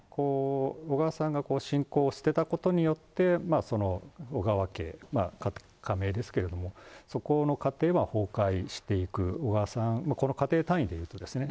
小川さんが信仰を捨てたことによって、小川家、仮名ですけれども、そこの家庭は崩壊していく、小川さん、この家庭単位でいうとですね。